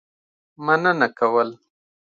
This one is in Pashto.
مننه کول.